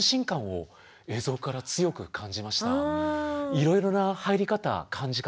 いろいろな入り方感じ方